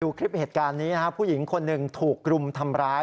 คลิปเหตุการณ์นี้นะครับผู้หญิงคนหนึ่งถูกรุมทำร้าย